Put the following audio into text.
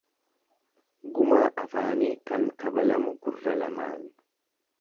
Gumaa afaanii kan kabalamu gurra lamaani.